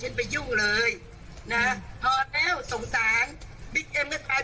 เรารู้ว่าน้องปกป้องแม่เค้าน่ะ